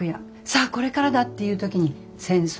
さあこれからだっていう時に戦争。